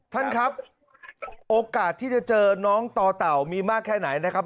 ท่านครับโอกาสที่จะเจอน้องต่อเต่ามีมากแค่ไหนนะครับ